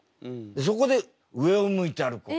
そこで「上を向いて歩こう」。